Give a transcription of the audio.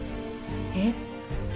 えっ？